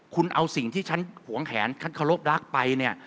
คุณเอาสิ่งที่ฉันหวงแขนฉันเคารพรักไปเนี่ย